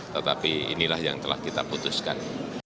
tetapi inilah yang telah kita putuskan